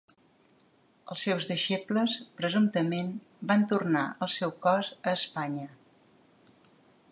Els seus deixebles presumptament van tornar el seu cos a Espanya.